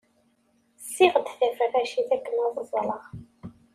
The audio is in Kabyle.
Ssiɣ-d taferracit akken ad ẓleɣ.